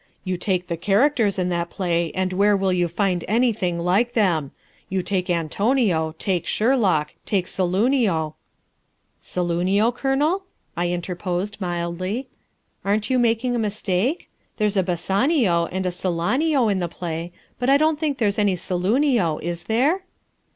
You take the characters in that play and where will you find anything like them? You take Antonio, take Sherlock, take Saloonio " "Saloonio, Colonel?" I interposed mildly, "aren't you making a mistake? There's a Bassanio and a Salanio in the play, but I don't think there's any Saloonio, is there?"